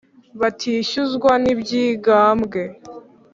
bitishyuzwa ntibyigambwe